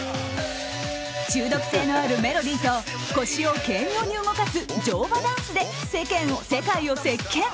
中毒性のあるメロディーと腰を軽妙に動かす乗馬ダンスで世界を席巻。